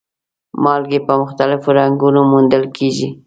مالګې په مختلفو رنګونو موندل کیږي.